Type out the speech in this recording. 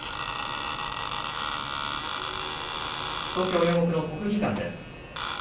東京・両国の国技館です。